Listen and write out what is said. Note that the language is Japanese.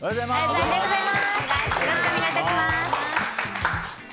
おはようございます。